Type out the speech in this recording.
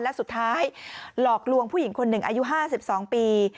และสุดท้ายหลอกลวงผู้หญิงคนหนึ่งอายุ๕๒ปี